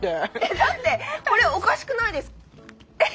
だってこれおかしくないですえっ。